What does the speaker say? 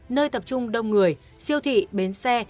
nơi tập trung đông người siêu thị bến xe